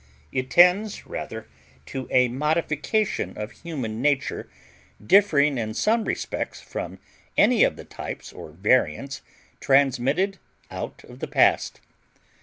It tends rather to a modification of human nature differing in some respects from any of the types or variants transmitted out of the past.